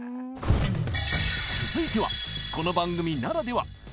続いてはこの番組ならでは！